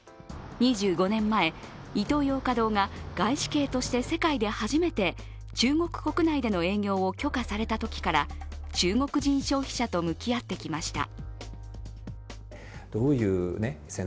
２５年前、イトーヨーカドーが外資系として世界で初めて中国国内での営業を許可されたときから中国人消費者と向き合ってきました。